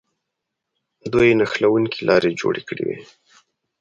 دوی نښلوونکې لارې جوړې کړې وې.